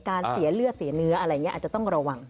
เสียเลือดเสียเนื้ออะไรอย่างนี้อาจจะต้องระวัง